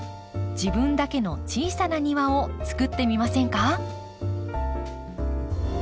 自分だけの小さな庭をつくってみませんか？